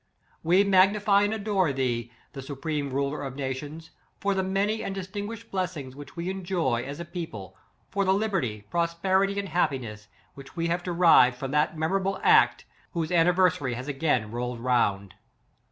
" We magnify and adore thee, the Su preme Ruler of nations, for the many and distinguished blessings, which we enjoy, as a people, for the liberty, prosperity, and 11 happiness, which we have derived from that memorable act^ whose anniversary has again rolled round!